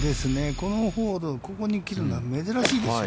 このホール、ここに切るのは珍しいですよ。